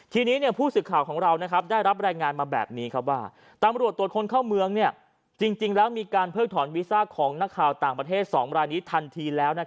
ทีนี้ผู้สื่อข่าวของเราได้รับแรงงานมาแบบนี้ว่าตามบริโรศาสตร์คนเข้าเมืองมีการเพิ่งถอนวิซ่าต่างประเทศทันทีแล้ว